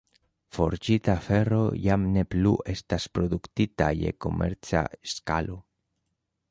Forĝita fero jam ne plu estas produktita je komerca skalo.